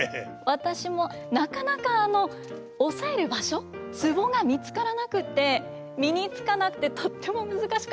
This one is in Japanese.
私もなかなか押さえる場所ツボが見つからなくて身につかなくてとっても難しかった印象があります。